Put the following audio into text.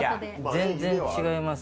全然違います